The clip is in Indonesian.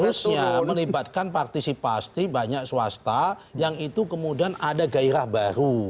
harusnya melibatkan partisipasi banyak swasta yang itu kemudian ada gairah baru